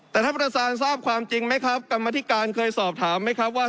แต่ท่านประธานทราบความจริงไหมครับกรรมธิการเคยสอบถามไหมครับว่า